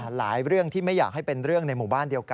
เรื่องที่ไม่อยากให้เป็นเรื่องในหมู่บ้านเดียวกัน